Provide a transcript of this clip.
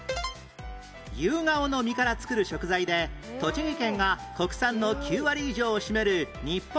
ユウガオの実から作る食材で栃木県が国産の９割以上を占める日本一の生産地